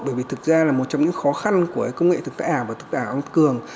bởi vì thực ra là một trong những khó khăn của công nghệ thực tạp và thực tạp tăng cường